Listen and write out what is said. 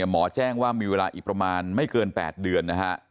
หมอแจ้งว่ามีเวลาอีกประมาณไม่เกิน๘เดือนนะฮะ